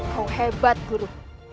kau hebat guru